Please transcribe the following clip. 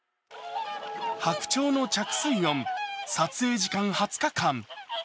白鳥の着水音、撮影時間２０日間。